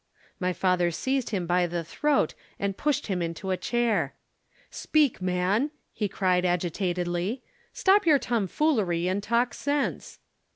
"'My father seized him by the throat and pushed him into a chair. "'"Speak, man," he cried agitatedly. "Stop your tomfoolery and talk sense."